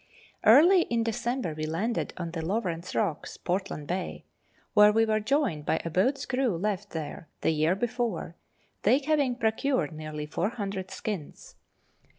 Early in December we landed on the Lawrence rocks, Portland Bay, where we were joined by a boat's crew left there the year before, they having procured nearly 400 skins.